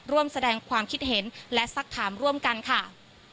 ร่วมแสดงความคิดเห็นและสักถามร่วมกันค่ะ